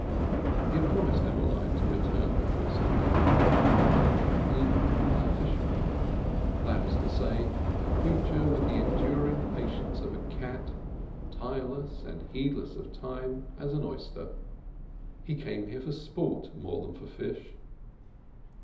He had promised Emmeline to return before sundown. He was a fisherman. That is to say, a creature with the enduring patience of a cat, tireless and heedless of time as an oyster. He came here for sport more than for fish.